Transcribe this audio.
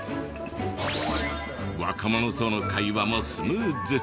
若者との会話もスムーズ。